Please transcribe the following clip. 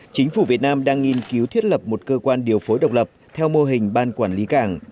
chính phủ việt nam đang nghiên cứu thiết lập một cơ quan điều phối độc lập theo mô hình ban quản lý cảng